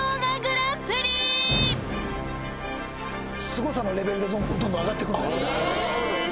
すごさのレベルがどんどん上がってくの